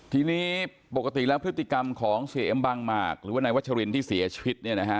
ทีนี้ปกติแล้วพฤติกรรมของเสียเอ็มบางหมากหรือว่านายวัชรินที่เสียชีวิต